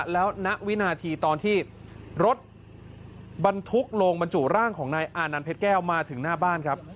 แล้วณวินาทีตอนที่รถบรรทุกลงบรรจุร่างของนายอานันเพชรแก้วมาถึงหน้าบ้านครับ